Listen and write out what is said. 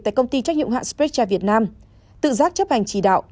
tại công ty trách nhiệm hạng sprecha việt nam tự giác chấp hành chỉ đạo